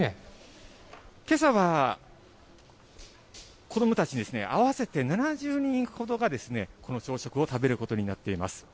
けさは、子どもたち合わせて７０人ほどが、この朝食を食べることになっています。